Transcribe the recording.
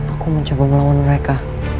aku mencoba melawan mereka